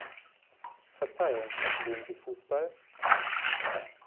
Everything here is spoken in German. Verzeihung, sehen Sie Fußball?